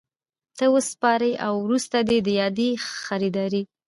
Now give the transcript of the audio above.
ته وسپاري او وروسته دي د یادي خریدارۍ